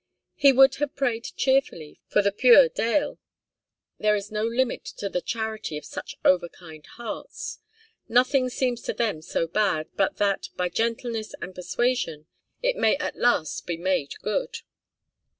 He would have prayed cheerfully for 'the puir deil.' There is no limit to the charity of such over kind hearts. Nothing seems to them so bad but that, by gentleness and persuasion, it may at last be made good.